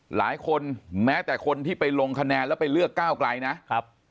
หลายคนแม้แต่คนที่ไปลงคะแนนแล้วไปเลือกก้าวไกลนะครับ